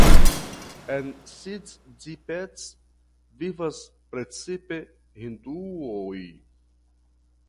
En Siddipet vivas precipe hinduoj.